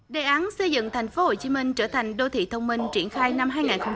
đề án xây dựng tp hcm trở thành đô thị thông minh triển khai năm hai nghìn hai mươi